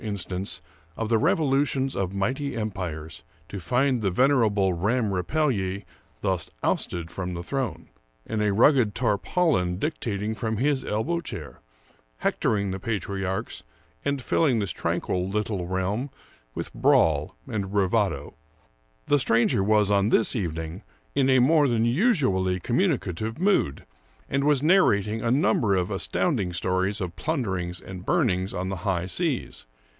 184 Washington Irving instance of the revolutions of mighty empires, to find the venerable Ramm Rapelye thus ousted from the throne, and a rugged tarpaulin ^ dictating from his elbow chair, hector ing the patriarchs, and filling this tranquil little realm with brawl and bravado. The stranger was, on this evening, in a more than usu ally communicative mood, and was narrating a number of astounding stories of plunderings and burnings on the high seas.